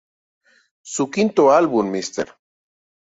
Su quinto álbum, Mr.